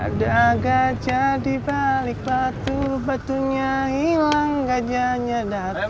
ada gajah dibalik batu batunya hilang gajahnya datang